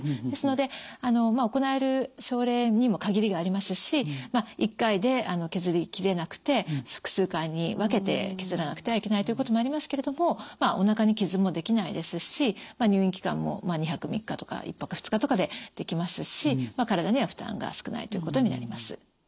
ですので行える症例にも限りがありますし一回で削りきれなくて複数回に分けて削らなくてはいけないということもありますけれどもお腹に傷もできないですし入院期間も２泊３日とか１泊２日とかでできますし体には負担が少ないということになります。